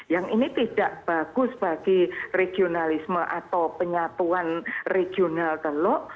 yang ini tidak bagus bagi regionalisme atau penyatuan regional teluk